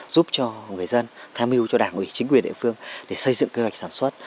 giúp cho người dân tham hiu cho đảng ủy chính quyền địa phương để xây dựng kế hoạch sản xuất